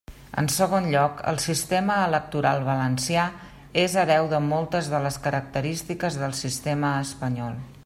En segon lloc, el sistema electoral valencià és hereu de moltes de les característiques del sistema espanyol.